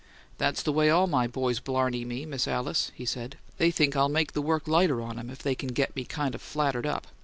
"That's the way all my boys blarney me, Miss Alice," he said. "They think I'll make the work lighter on 'em if they can get me kind of flattered up.